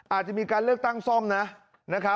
อาจจะมีการเลือกตั้งซ่อมนะครับ